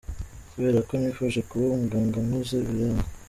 Kubera ko nifuje kuba umuganga nkuze biranga.